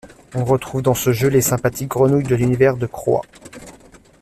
On retrouve dans ce jeu les sympathiques grenouilles de l’univers de Crôa!